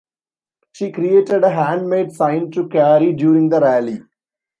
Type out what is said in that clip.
She created a handmade sign to carry during the rally.